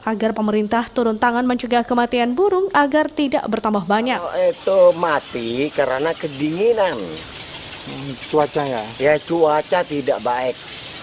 agar pemerintah turun tangan mencukai kematian burung agar tidak bertambah banyak